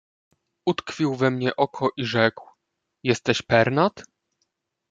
"Utkwił we mnie oko i rzekł: „Jesteś Pernat?"